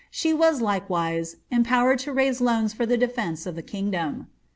Sbc was, likewise, empowered losna for Ihe defence of the kingdom.